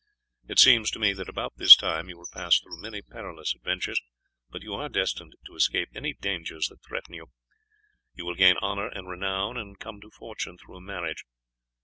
It seems to me that about this time you will pass through many perilous adventures, but you are destined to escape any dangers that threaten you. You will gain honour and renown, and come to fortune through a marriage.